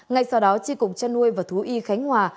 ngay sau đó tri cục chăn nuôi và thú y khánh hòa